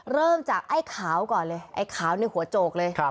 เริ่มจากไอ้ขาวก่อนเลยไอ้ขาวในหัวโจกเลย